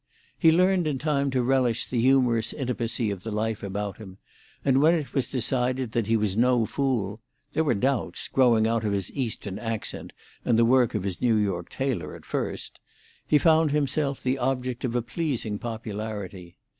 He learned in time to relish the humorous intimacy of the life about him; and when it was decided that he was no fool—there were doubts, growing out of his Eastern accent and the work of his New York tailor, at first—he found himself the object of a pleasing popularity.